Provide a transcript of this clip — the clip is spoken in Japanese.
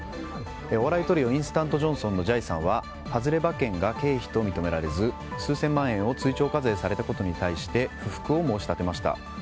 お笑いトリオインスタントジョンソンのじゃいさんは外れ馬券が経費と認められず数千万円を追徴課税されたことに対して不服を申し立てました。